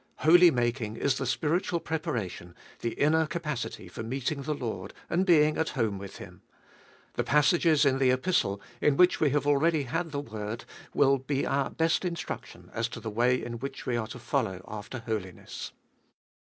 Holy making is the spiritual pre paration, the inner capacity for meeting the Lord, and being at home with Him. The passages in the Epistle, in which we have already had the word, will be our best instruction as to the way in which we are to follow after holiness.